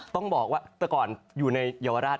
ต้องบอกว่าแต่ก่อนอยู่ในเยาวราช